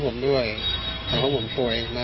ต่างฝั่งในบอสคนขีดบิ๊กไบท์